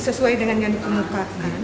sesuai dengan yang kamu katakan